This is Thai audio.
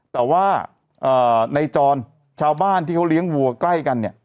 แต่ว่าในจรชาวบ้านที่เขาเลี้ยงวัวใกล้กันเนี่ย